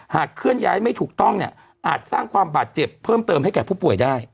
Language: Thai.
เคลื่อนย้ายไม่ถูกต้องเนี่ยอาจสร้างความบาดเจ็บเพิ่มเติมให้แก่ผู้ป่วยได้